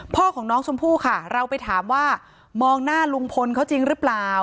พ่อของน้องชมพู่ค่ะเราไปถามว่ามองหน้าลุงพลเขาจริงหรือเปล่า